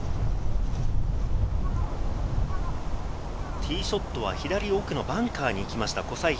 ティーショットは左奥のバンカーに来ました小斉平。